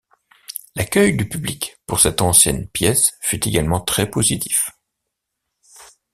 L'accueil du public pour cette ancienne pièce fut également très positif.